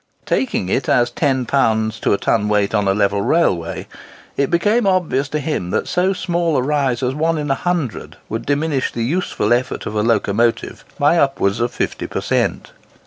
Taking it as 10 lbs to a ton weight on a level railway, it became obvious to him that so small a rise as 1 in 100 would diminish the useful effort of a locomotive by upwards of 50 per cent.